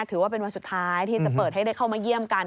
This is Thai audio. ถือว่าเป็นวันสุดท้ายที่จะเปิดให้ได้เข้ามาเยี่ยมกัน